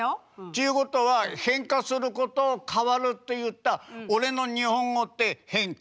ちゅうことは変化することを変わるって言った俺の日本語って変か？